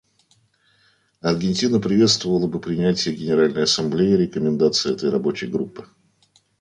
Аргентина приветствовала бы принятие Генеральной Ассамблеей рекомендаций этой Рабочей группы.